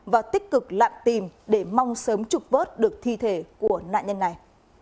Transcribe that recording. và tích cực lặn tìm để mong sớm trục vớt được thi thể của nạn nhân này